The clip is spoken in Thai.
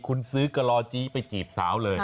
คุณซื้อกะลอจี้ไปจีบสาวเลย